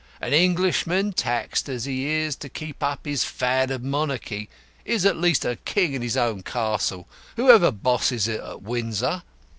An Englishman, taxed as he is to keep up his Fad of Monarchy, is at least king in his own castle, whoever bosses it at Windsor.